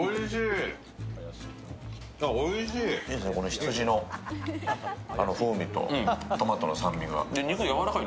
羊の風味とトマトの酸味が。